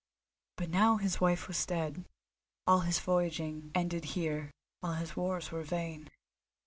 But now his wife was dead: all his voyaging was ended here, and all his wars were vain.